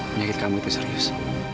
penyakit kamu itu serius